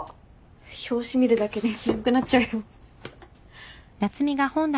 表紙見るだけで眠くなっちゃうよ。